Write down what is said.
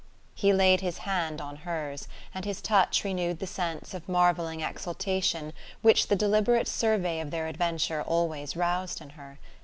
He laid his hand on hers, and his touch renewed the sense of marvelling exultation which the deliberate survey of their adventure always roused in her....